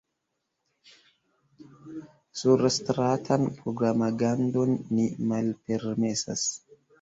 Surstratan propagandon ni malpermesas.